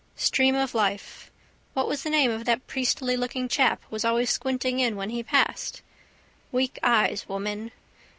Stream of life. What was the name of that priestylooking chap was always squinting in when he passed? Weak eyes, woman.